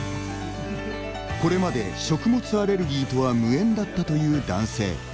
これまで食物アレルギーとは無縁だったという男性。